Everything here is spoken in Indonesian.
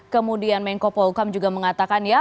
kemudian menko polkam juga mengatakan ya